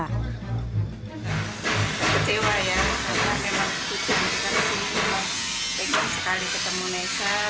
ketidakhadiran vanessa angel ini sekaligus mengecewakan keluarganya yang telah menunggu sekitar enam jam untuk bertemu vanessa